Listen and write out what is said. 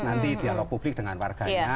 nanti dialog publik dengan warganya